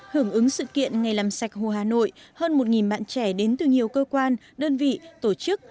hưởng ứng sự kiện ngày làm sạch hồ hà nội hơn một bạn trẻ đến từ nhiều cơ quan đơn vị tổ chức